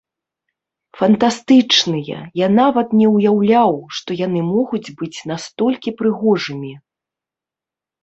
Фантастычныя, я нават не ўяўляў, што яны могуць быць настолькі прыгожымі.